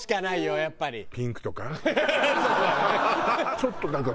ちょっとだから。